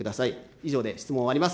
以上で質問終わります。